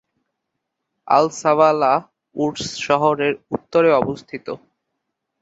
আল-সাবালহ Woods শহরের উত্তরে অবস্থিত।